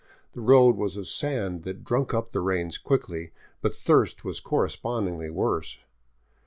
The road was of sand that drunk up the rains quickly, but thirst was cor respondingly worse.